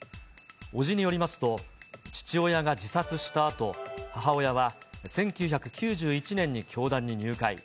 伯父によりますと、父親が自殺したあと、母親は１９９１年に教団に入会。